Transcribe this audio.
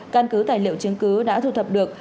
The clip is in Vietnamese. căn cứ tài liệu chứng cứ đã thu thập được